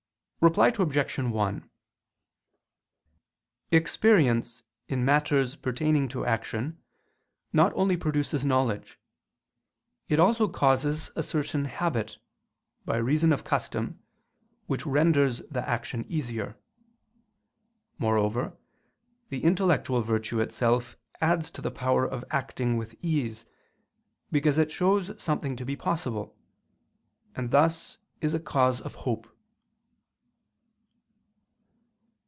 Reply Obj. 1: Experience in matters pertaining to action not only produces knowledge; it also causes a certain habit, by reason of custom, which renders the action easier. Moreover, the intellectual virtue itself adds to the power of acting with ease: because it shows something to be possible; and thus is a cause of hope.